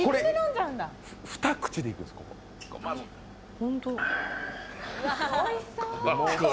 ２口で行くんです、ここ。